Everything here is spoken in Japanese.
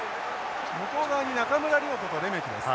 向こう側に中村亮土とレメキです。